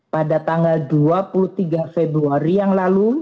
pada tanggal dua puluh tiga februari yang lalu